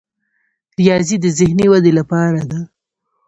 ریاضي د ذهني ودې لپاره ده.